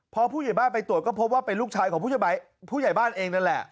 พอผู้ใหญ่บ้านไปตรวจก็พบว่าเป็นลูกชายของผู้ใหญ่บ้านเองนั่นแหละ